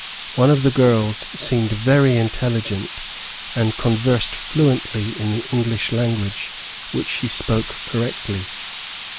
One of the girls seemed very intelligent, and conversed fluently in the English language which she spoke correctly.